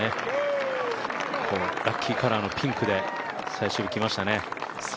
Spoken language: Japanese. ラッキーカラーのピンクで最終日、来ましたね。